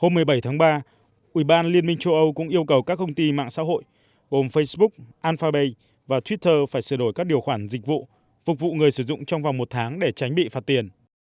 hôm một mươi bảy tháng ba ủy ban liên minh châu âu cũng yêu cầu các công ty mạng xã hội gồm facebook alphabet và twitter phải sửa đổi các điều khoản dịch vụ phục vụ người sử dụng trong vòng một tháng để tránh bị phạt tiền